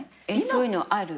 そういうのある？